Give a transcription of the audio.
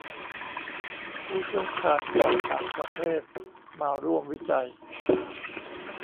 ผู้เชี่ยวชาญจากต่างประเทศมาร่วมวิจัย